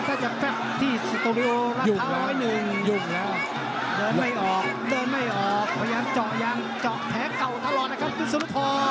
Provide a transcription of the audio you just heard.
ก็ต้องกลับไปหาอากงแน่นอน